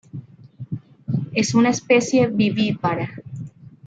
Es una especie vivípara.